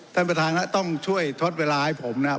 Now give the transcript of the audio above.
ท่านประธานครับต้องช่วยทดเวลาให้ผมนะครับ